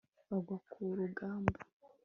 bagwa ku rugamba